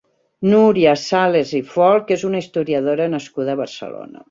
Núria Sales i Folch és una historiadora nascuda a Barcelona.